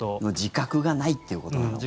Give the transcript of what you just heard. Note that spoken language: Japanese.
自覚がないっていうことなのかな。